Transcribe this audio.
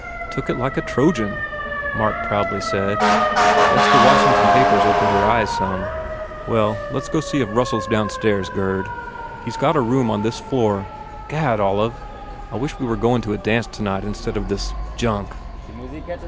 "Took it like a Trojan," Mark proudly said, "Guess the Washington papers opened her eyes some. Well, let s go see if Russell s downstairs, Gurd. He s got a room on this floor. Gad, Olive, I wish we were goin to a dance tonight instead of this junk."